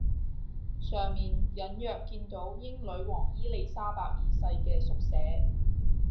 上面隱約見到英女皇伊莉莎白二世嘅縮寫